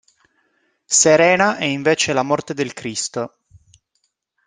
Serena è invece la morte del Cristo.